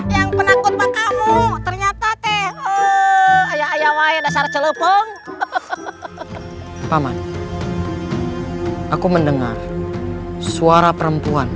yang penanggung makamu ternyata teh ayah ayah dasar celupung paman aku mendengar suara perempuan